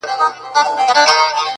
• ستا په زلفو کي اثیر را سره خاندي..